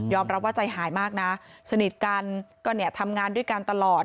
รับว่าใจหายมากนะสนิทกันก็เนี่ยทำงานด้วยกันตลอด